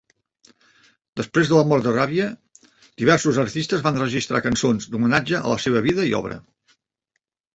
Després de la mort de Rabie, diversos artistes van registrar cançons d'homenatge a la seva vida i obra.